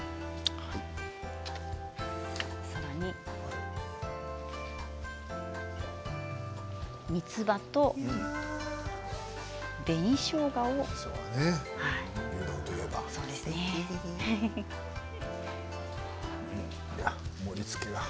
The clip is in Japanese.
さらに、みつばと紅しょうがを添えます。